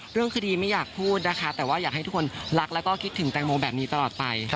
เรื่องคือดีไม่อยากพูดแต่อยากให้ทุกคนรักและคิดถึงแตงโมแบบนี้ตลอดไป